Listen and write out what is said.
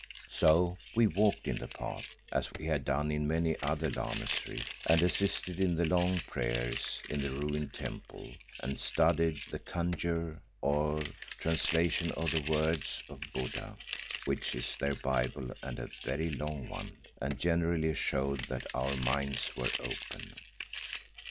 So we walked in the Path, as we had done in many another Lamasery, and assisted at the long prayers in the ruined temple and studied the Kandjur, or "Translation of the Words" of Buddha, which is their bible and a very long one, and generally showed that our "minds were open."